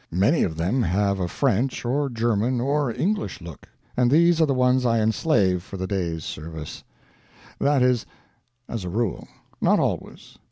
Many of them have French or German or English look, and these are the ones I enslave for the day's service. That is, as a rule. Not always.